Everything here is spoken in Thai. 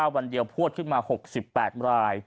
วันเดียวพวดขึ้นมา๖๘ราย